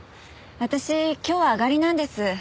私今日あがりなんです。